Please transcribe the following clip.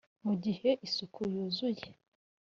mugihe isuku yuzuye